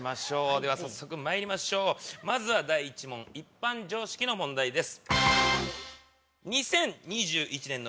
では早速まいりましょう第１問一般常識の問題です。